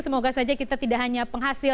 semoga saja kita tidak hanya penghasil